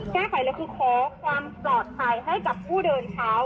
หรือคือขอความปลอดภัยให้กับผู้เดินเท้า